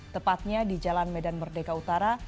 tepatnya di jalan medan merdeka utara